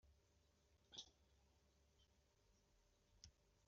Ittazal mebla asemmezger.